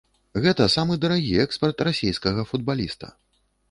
Гэта самы дарагі экспарт расейскага футбаліста.